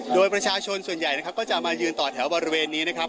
โดยประชาชนส่วนใหญ่นะครับก็จะมายืนต่อแถวบริเวณนี้นะครับ